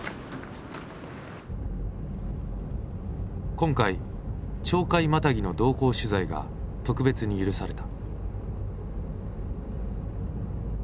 今回鳥海マタギの同行取材が特別に許された。